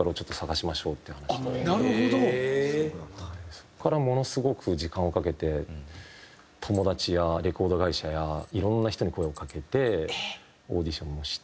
そこからものすごく時間をかけて友達やレコード会社やいろんな人に声をかけてオーディションもして。